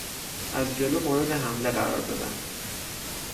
از جلو مورد حمله قرار دادن